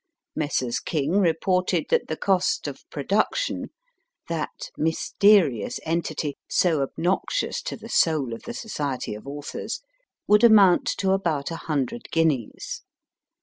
Messrs. King reported that the cost of production (that mysterious entity so obnoxious to the soul of the Society of Authors) would amount to about a hundred guineas.